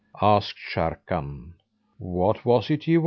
Asked Sharrkan, "What was it ye won?"